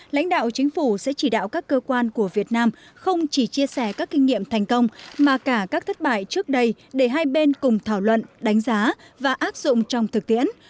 lãnh đạo chính phủ sẽ chỉ đạo các cơ quan của việt nam không chỉ chia sẻ các kinh nghiệm thành công mà cả các thất bại trước đây để hai bên cùng thảo luận đánh giá và áp dụng trong thực tiễn